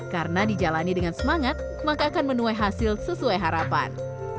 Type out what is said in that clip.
karena dijalani dengan semangat maka akan menuai hasil sesuai harapan